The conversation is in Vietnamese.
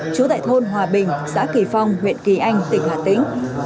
trú tại thôn hòa bình xã kỳ phong huyện kỳ anh tỉnh hà tĩnh